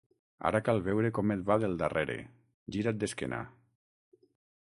Ara cal veure com et va del darrere: gira't d'esquena.